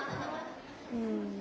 うん。